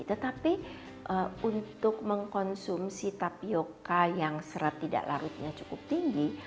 tetapi untuk mengkonsumsi tapioca yang serat tidak larutnya cukup tinggi